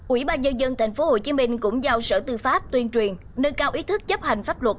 ủy ban nhân dân tp hcm cũng giao sở tư pháp tuyên truyền nâng cao ý thức chấp hành pháp luật